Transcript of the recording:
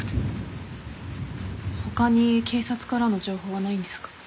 他に警察からの情報はないんですか？